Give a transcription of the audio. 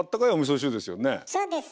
そうです。